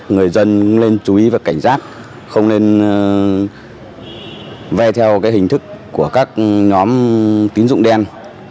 người dân nên chú ý và cảnh giác không nên ve theo hình thức của các nhóm tín dụng đen